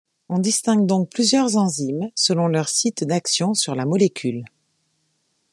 On distingue donc plusieurs enzymes selon leur site d’action sur la molécule.